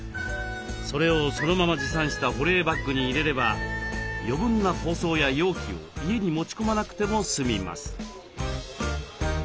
それをそのまま持参した保冷バッグに入れれば余分な包装や容器を家に持ち込まなくても済みます。